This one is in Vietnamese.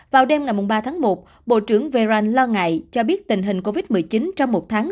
vào đêm ngày ba tháng một bộ trưởng vern lo ngại cho biết tình hình covid một mươi chín trong một tháng